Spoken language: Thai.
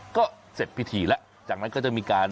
ก็เสร็จพิธีแล้วจากนั้นก็จะมีการ